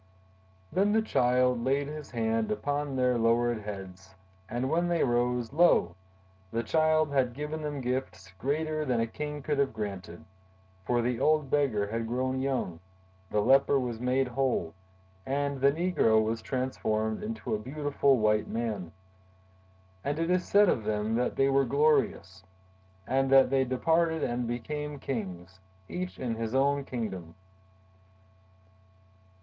"Then the Child laid his hand upon their lowered heads, and when they rose, lo! the Child had given them gifts greater than a king could have granted; for the old beggar had grown young, the leper was made whole, and the negro was transformed into a beautiful white man. And it is said of them that they were glorious! and that they departed and became kings—each in his own kingdom."